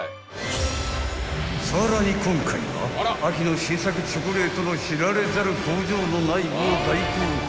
［さらに今回は秋の新作チョコレートの知られざる工場の内部を大公開］